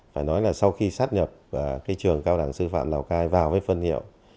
phải nói là sau khi sát nhập trường cao đẳng sư phạm lào cai vào với phân hiệu